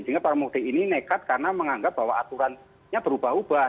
sehingga para pemudik ini nekat karena menganggap bahwa aturannya berubah ubah